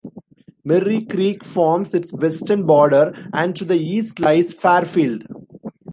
Merri Creek forms its western border, and to the east lies Fairfield.